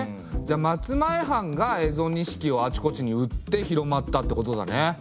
じゃあ松前藩が蝦夷錦をあちこちに売って広まったってことだね。